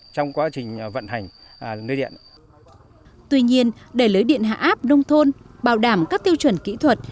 tuy nhiên để lưới điện hạ áp nông thôn bảo đảm các tiêu chuẩn kỹ thuật